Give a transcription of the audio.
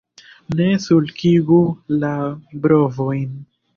Ne sulkigu la brovojn!